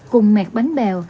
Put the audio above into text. cùng mẹt bánh bèo